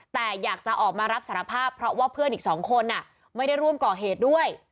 แต่อยากจะออกมารับสารภาพเพราะว่าเพื่อนอีก๒คนไม่ได้ร่วมก่อเหตุด้วย